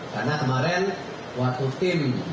karena kemarin waktu tim